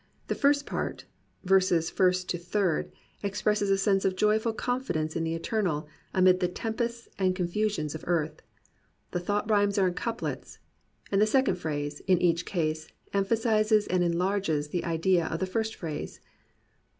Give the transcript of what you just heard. The first part (verses first to third) expresses a sense of joyful confidence in the Eternal, amid the temi>ests and confusions of earth. The thought rhymes are in couplets; and the second phrase, in each case, emphasizes and enlarges the idea of the first phrase.